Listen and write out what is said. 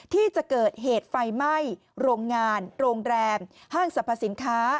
ที่จะเกิดเหตุไฟไหม้โรงงานโรงแรมห้างสรรพสินค้า